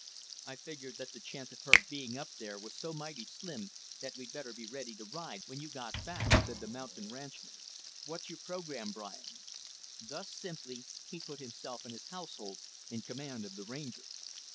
"I figured that the chance of her being up there was so mighty slim that we'd better be ready to ride when you got back," said the mountain ranchman. "What's your program, Brian?" Thus simply he put himself and his household in command of the Ranger.